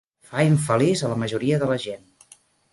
Fa infeliç a la majoria de la gent.